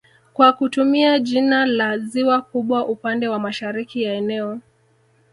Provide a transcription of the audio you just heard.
kwa kutumia jina la ziwa kubwa upande wa mashariki ya eneo